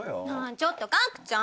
ちょっと角ちゃん！